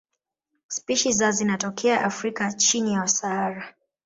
Spishi za zinatokea Afrika chini ya Sahara.